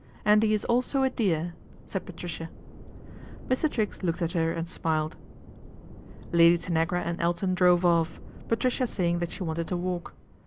And he is also a dear," said Patricia. Mr. Triggs looked at her and smiled. Lady Tanagra and Elton drove off, Patricia tying that she wanted a walk.